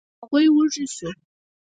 هغوی وږي شوو.